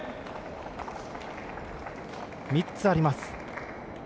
３つあります。